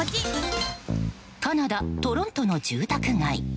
カナダ・トロントの住宅街。